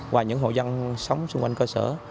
và những hộ dân sống xung quanh cơ sở